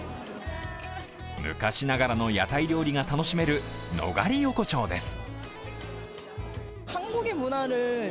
昔ながらの屋台料理が楽しめるノガリ横丁です。